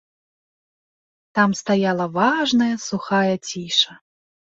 Там стаяла важная, сухая ціша.